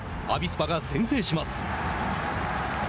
アビスパが先制します。